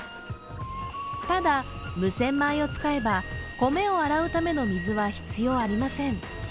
ただ無洗米を使えば米を洗うための水は必要ありません。